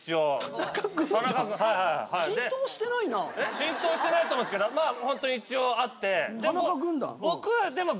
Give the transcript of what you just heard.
田中軍団？浸透してないと思うんですけどホント一応あって。